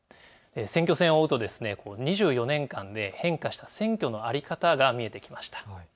選挙戦を追うと２４年間で変化した選挙の在り方が見えてきました。